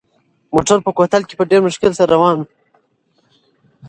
موټر په کوتل کې په ډېر مشکل سره روان و.